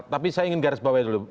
tapi saya ingin garis bawah dulu